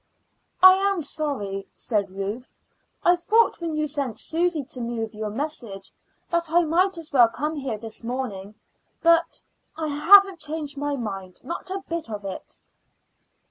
"I am sorry," said Ruth. "I thought when you sent Susy to me with your message that I might as well come here this morning; but I haven't changed my mind not a bit of it."